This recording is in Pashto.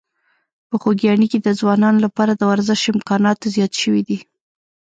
په خوږیاڼي کې د ځوانانو لپاره د ورزش امکانات زیات شوي دي.